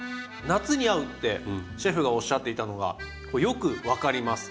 夏に合うってシェフがおっしゃっていたのがよく分かります。